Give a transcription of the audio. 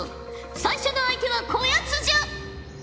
最初の相手はこやつじゃ！